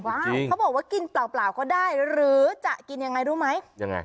เขาบอกว่ากินเปล่าก็ได้หรือจะกินยังไงรู้ไหมยังไง